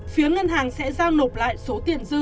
phía ngân hàng sẽ giao nộp lại số tiền dư